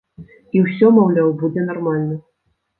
І ўсё, маўляў, будзе нармальна.